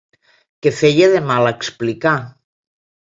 Que feia de mal explicar.